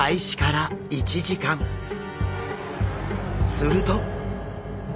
すると。